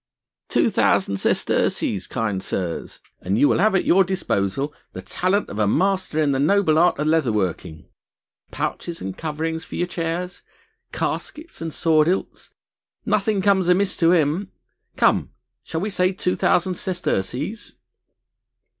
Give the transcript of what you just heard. "Two thousand sesterces, kind sirs, and you will have at your disposal the talent of a master in the noble art of leather working; pouches and coverings for your chairs, caskets and sword hilts, nothing comes amiss to him.... Come! shall we say two thousand sesterces?"